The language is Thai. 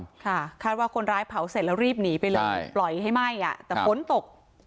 ค่ะคาดว่าคนร้ายเผาเสร็จแล้วรีบหนีไปเลยปล่อยให้ไหม้อ่ะแต่ฝนตก